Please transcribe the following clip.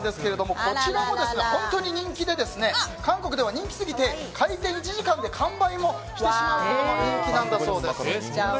こちらも本当に人気で韓国では人気すぎて開店１時間で完売してしまうほど人気だそうです。